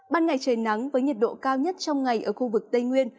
ban ngày trời nắng với nhiệt độ cao nhất trong ngày ở khu vực tây nguyên